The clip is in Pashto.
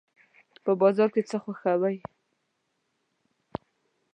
په بازار کې څه خوښوئ؟